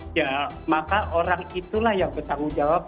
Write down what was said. ya maka orang itulah yang bertanggung jawab